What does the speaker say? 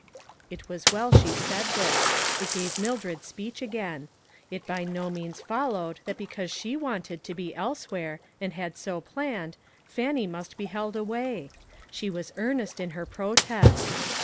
It was well she said this. It gave Mil dred speech again. It by no means fol lowed that because she wantect to be else where, and had so planned, Fannie must be held away. She was earnest in her protest.